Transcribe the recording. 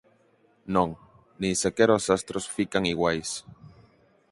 Non, nin sequera os astros fican iguais.